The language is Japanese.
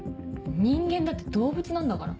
人間だって動物なんだから。